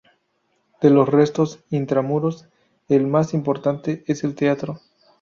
De los restos "intra muros" el más importante es el teatro.